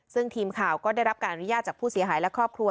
ซึ่งทีมข่าวก็ได้รับการอนุญาตจากผู้เสียหายและครอบครัว